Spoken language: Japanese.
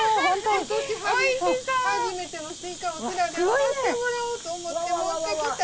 初めてのスイカお寺であがってもらおうと思って持ってきた。